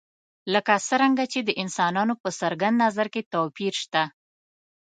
لکه څرنګه چې د انسانانو په څرګند نظر کې توپیر شته.